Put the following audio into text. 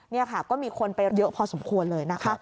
นี่ค่ะก็มีคนไปเยอะพอสมควรเลยนะคะ